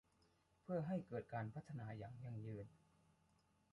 เพื่อให้เกิดการพัฒนาอย่างยั่งยืน